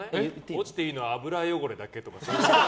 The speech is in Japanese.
落ちていいのは油汚れだけとか。